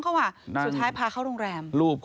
อาจารย์ให้หนูทำอะไรครับ